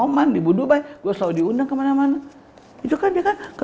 mau di undang kemana mana